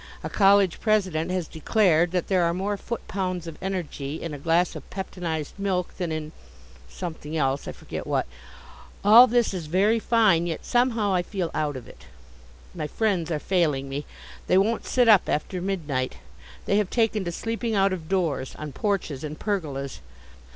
A college president has declared that there are more foot pounds of energy in a glass of peptonized milk than in something else, I forget what. All this is very fine. Yet somehow I feel out of it. My friends are failing me. They won't sit up after midnight. They have taken to sleeping out of doors, on porches and pergolas.